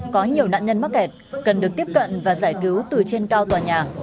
có nhiều nạn nhân mắc kẹt cần được tiếp cận và giải cứu từ trên cao tòa nhà